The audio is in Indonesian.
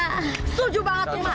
setuju banget mak